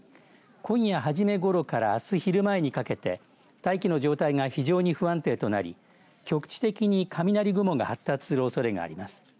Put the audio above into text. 今夜初めごろからあす昼前にかけて大気の状態が非常に不安定となり局地的に雷雲が発達するおそれがあります。